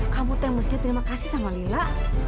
kamu tuh yang mesti terima kasih sama lila